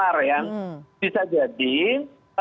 hewan ternak di provinsi sulawesi selatan tidak tertular ya